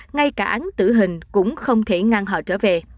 ngay cả án tử hình cũng không thể ngăn họ trở về